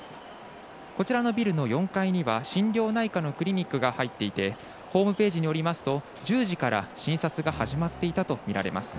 こちらのビルの４階には心療内科のクリニックが入っていて、ホームページによりますと、１０時から診察が始まっていたと見られます。